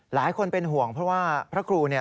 หลายคนเป็นห่วงเพราะว่าพระครูเนี่ย